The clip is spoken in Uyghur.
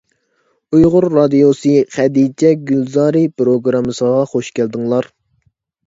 ئۇيغۇر رادىيوسى «خەدىچە گۈلزارى» پىروگراممىسىغا خۇش كەلدىڭلار!